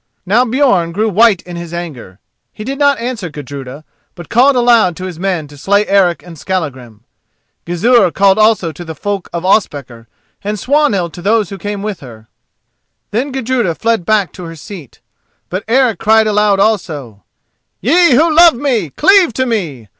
Now Björn grew white in his anger. He did not answer Gudruda, but called aloud to his men to slay Eric and Skallagrim. Gizur called also to the folk of Ospakar, and Swanhild to those who came with her. Then Gudruda fled back to her seat. But Eric cried aloud also: "Ye who love me, cleave to me.